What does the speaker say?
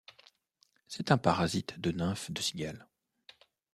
C'est un parasite de nymphe de cigale.